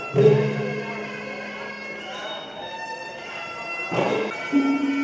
สวัสดีครับทุกคน